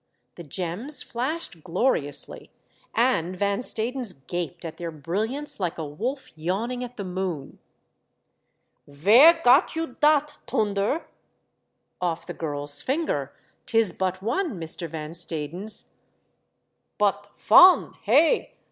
The gems flashed gloriously and Van Stadens gaped at their brilliance like a wolf yawning at the moon. I AM ALONE. 515 " Vere got you dot, Toonder ?" Off the girl's finger. Tis but one, Mr Van Stadens." " But fon, hey